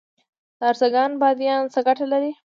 د ارزګان بادیان څه ګټه لري؟